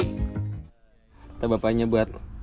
kita bapaknya buat